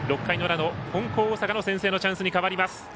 ６回の裏の金光大阪の先制のチャンスに変わります。